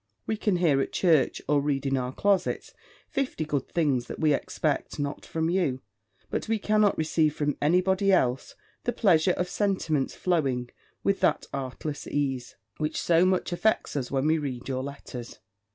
We can hear at church, or read in our closets, fifty good things that we expect not from you: but we cannot receive from any body else the pleasure of sentiments flowing with that artless ease, which so much affects us when we read your letters.